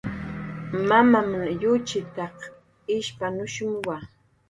Mamam yuychitaq ishpanushumwa